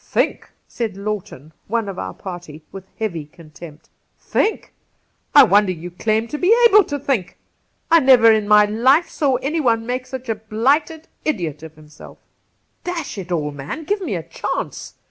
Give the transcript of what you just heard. ' Think !' said Lawton (one of our party), with heavy contempt. ' Think ! I wonder you claim to be able to think ! I never in my life saw any one make such a blighted idiot of himself !' 140 Cassidy ' Dash it all, man ! give me a chance.